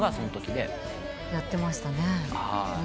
やってましたね。